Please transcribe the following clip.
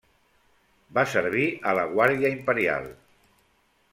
Va servir a la guàrdia imperial.